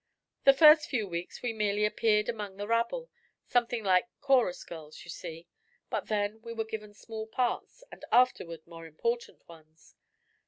The first few weeks we merely appeared among the rabble something like chorus girls, you see but then we were given small parts and afterward more important ones.